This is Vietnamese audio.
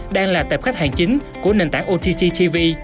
đang là tệp khách hàng chính của nền tảng ott tv